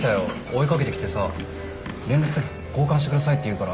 追い掛けてきてさ連絡先交換してくださいって言うから。